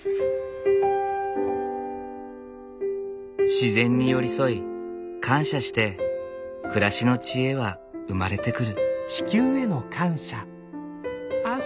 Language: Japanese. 自然に寄り添い感謝して暮らしの知恵は生まれてくる。